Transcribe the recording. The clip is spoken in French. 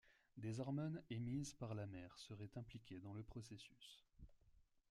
Des hormones émises par la mère seraient impliquées dans le processus.